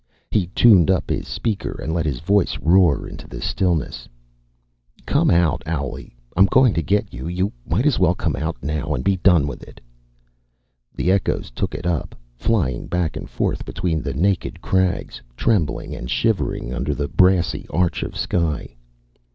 He tuned up his speaker and let his voice roar into the stillness: "Come out, owlie! I'm going to get you, you might as well come out now and be done with it!" The echoes took it up, flying back and forth between the naked crags, trembling and shivering under the brassy arch of sky.